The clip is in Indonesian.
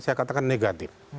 saya katakan negatif